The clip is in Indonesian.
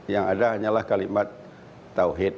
yang ada hanyalah kalimat tawhid